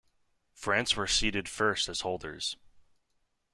France were seeded first as holders.